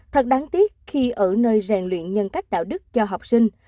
thật đáng tiếc khi ở nơi rèn luyện nhân cách đạo đức cho học sinh